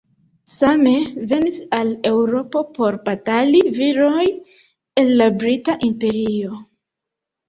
Same venis al Eŭropo por batali viroj el la Brita Imperio.